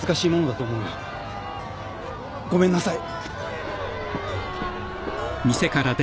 ごめんなさい。